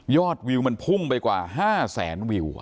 ยอดวิวมันพุ่งไปกว่า๕๐๐๐๐วิว